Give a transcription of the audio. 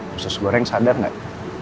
khusus goreng sadar gak